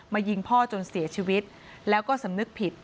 ยิงพ่อจนเสียชีวิตแล้วก็สำนึกผิด